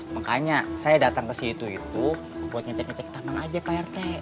makanya saya datang ke situ situ buat ngecek ngecek taman aja pak rete